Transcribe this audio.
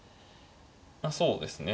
そうですね。